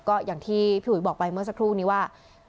ก็อย่างที่พี่อุ๋ยบอกไปเมื่อสักครู่นี้ว่า